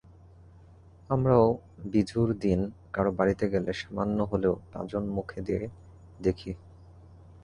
আমরাও বিঝুর দিন কারও বাড়িতে গেলে সামান্য হলেও পাজন মুখে দিয়ে দেখি।